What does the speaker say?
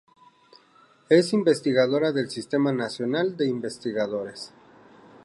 Es investigadora del Sistema Nacional de Investigadores.